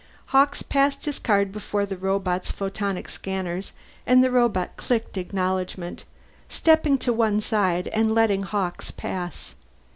Hawkes passed his card before the robot's photonic scanners and the robot clicked acknowledgement, stepping to one side and letting Hawkes pass.